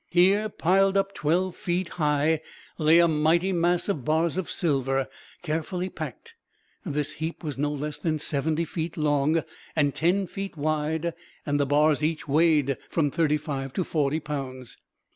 Here, piled up twelve feet high, lay a mighty mass of bars of silver, carefully packed. This heap was no less than 70 feet long and 10 feet wide, and the bars each weighed from 35 to 40 pounds.